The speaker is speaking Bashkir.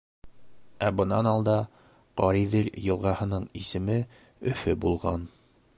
Ә бынан алда Ҡариҙел йылғаһының исеме Өфө булған.